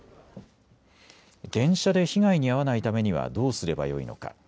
電車で被害に遭わないためにはどうすればよいのか。